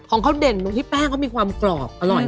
ของเขาเด่นตรงที่แป้งเขามีความกรอบอร่อย